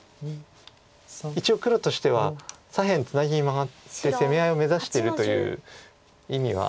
一応黒としては左辺ツナギに回って攻め合いを目指してるという意味は。